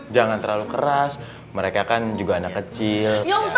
jangan terlalu keras mereka kan juga anak kecil